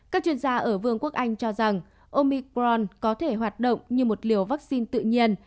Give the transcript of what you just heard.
các chuyên gia ở vương quốc anh cho rằng omicron có thể hoạt động như một liều vaccine tự nhiên